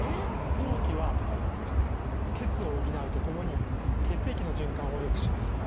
当帰は「血」を補うとともに血液の循環をよくします。